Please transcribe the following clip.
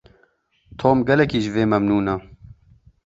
Tom gelekî ji vê memnûn e.